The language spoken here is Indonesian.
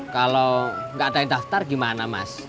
kalau nggak ada yang daftar gimana mas